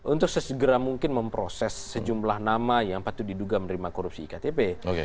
untuk sesegera mungkin memproses sejumlah nama yang patut diduga menerima korupsi iktp